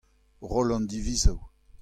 roll an divizoù.